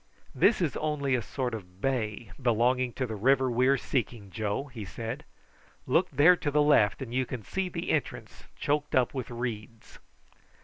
"This is only a sort of bay belonging to the river we are seeking, Joe," he said. "Look there to the left, and you can see the entrance choked up with reeds."